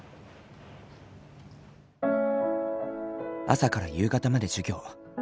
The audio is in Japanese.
朝から夕方まで授業。